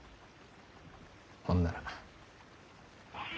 ほんなら。